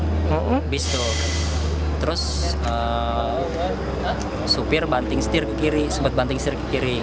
habis itu terus supir banting setir ke kiri supet banting setir ke kiri